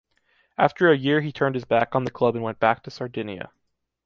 After a year he turned his back on the club and went back to Sardinia.